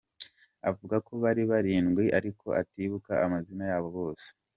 Avuga ko bari barindwi ariko atibuka amazina yabo bose.